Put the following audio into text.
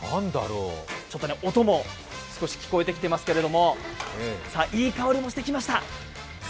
ちょっと音も少し聞こえてきています、いい香りもしてきました。